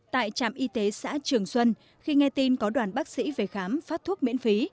tại trạm y tế xã trường xuân khi nghe tin có đoàn bác sĩ về khám phát thuốc miễn phí